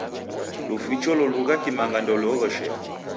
Luficho lorugha kimanga ndeluoghoshero.